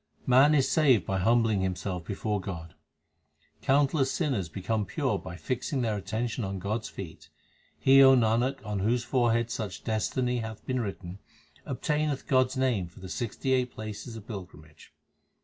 1 Man is saved by humbling himself before God : Countless sinners become pure by fixing their attention on God s feet. He, O Nanak, on whose forehead such destiny hath been written, obtaineth God s name for the sixty eight places of pilgrimage.